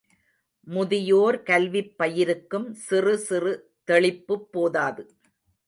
முதியோர் கல்விப் பயிருக்கும் சிறு சிறு தெளிப்புப் போதாது.